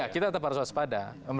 ya kita tetap harus memuas pada